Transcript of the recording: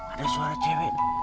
ada suara cewek